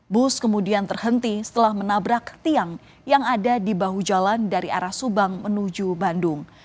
bus kemudian terhenti setelah menabrak tiang yang ada di bahu jalan dari arah subang menuju bandung